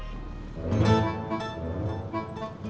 bisa gak kamu tanya